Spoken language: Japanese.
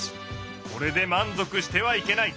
これで満足してはいけない。